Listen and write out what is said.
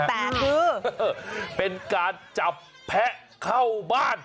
แต่คือเป็นการจับแพะเข้าบ้าน